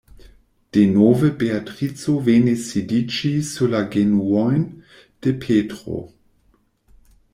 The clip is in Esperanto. Denove Beatrico venis sidiĝi sur la genuojn de Petro.